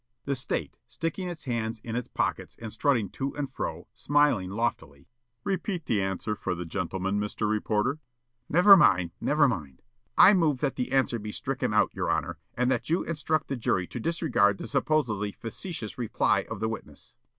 The State, sticking its hands in its pockets and strutting to and fro, smiling loftily: "Repeat the answer for the gentleman, Mr. Reporter." Counsel: "Never mind, never mind. I move that the answer be stricken out, your honor, and that you instruct the jury to disregard the supposedly facetious reply of the witness."